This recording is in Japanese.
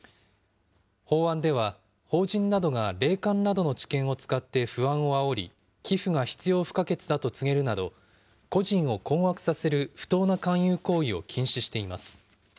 法案では法人などが霊感などの知見を使って不安をあおり、寄付が必要不可欠だと告げるなど、個人を困惑させる不当な勧誘行為を禁止しています。